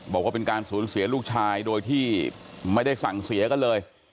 บอกว่าเป็นการสูญเสียลูกชายโดยที่ไม่ได้สั่งเสียกันเลย